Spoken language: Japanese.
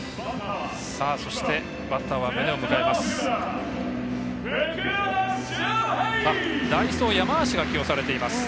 そして、バッターは宗を迎えます。